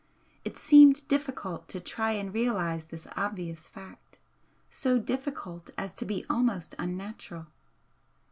It seemed difficult to try and realise this obvious fact so difficult as to be almost unnatural.